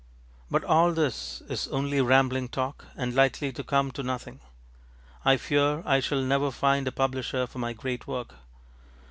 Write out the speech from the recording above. But all this is only rambling talk and likely to come to nothing. I fear I shall never find a publisher for my great work.